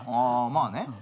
まあね。